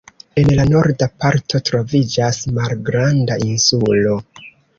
En la norda parto troviĝas malgranda insulo.